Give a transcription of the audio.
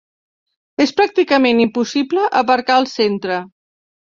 És pràcticament impossible aparcar al centre.